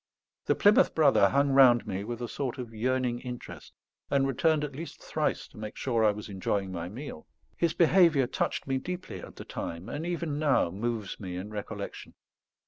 The Plymouth Brother hung round me with a sort of yearning interest, and returned at least thrice to make sure I was enjoying my meal. His behaviour touched me deeply at the time, and even now moves me in recollection.